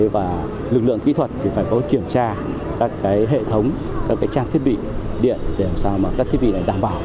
và lực lượng kỹ thuật thì phải có kiểm tra các hệ thống các trang thiết bị điện để làm sao mà các thiết bị đảm bảo